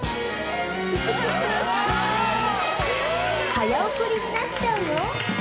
早送りになっちゃうよ。